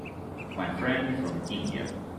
My Friend from India